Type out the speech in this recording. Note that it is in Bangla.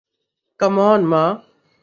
কাম অন মা।